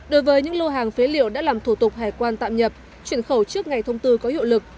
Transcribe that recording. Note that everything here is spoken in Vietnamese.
đối với những lô hàng phế liệu đã làm thủ tục hải quan tạm nhập chuyển khẩu trước ngày thông tư có hiệu lực